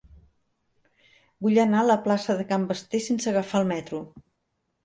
Vull anar a la plaça de Can Basté sense agafar el metro.